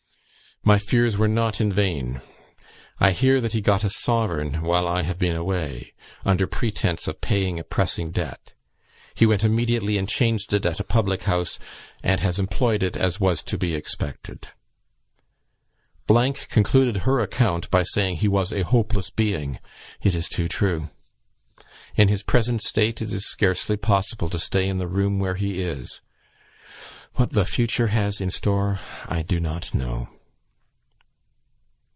My fears were not in vain. I hear that he got a sovereign while I have been away, under pretence of paying a pressing debt; he went immediately and changed it at a public house, and has employed it as was to be expected. concluded her account by saying he was a 'hopeless being;' it is too true. In his present state it is scarcely possible to stay in the room where he is. What the future has in store I do not know."